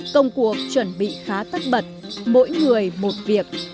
công cuộc chuẩn bị khá tất bật mỗi người một việc